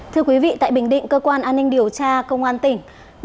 thưa quý vị tại bình định cơ quan an ninh điều tra công an tỉnh